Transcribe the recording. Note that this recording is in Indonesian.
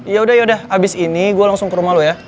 ya udah yaudah abis ini gue langsung ke rumah lo ya